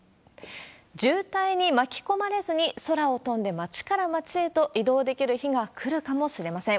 渋滞に巻き込まれずに空を飛んで街から街へと移動できる日が来るかもしれません。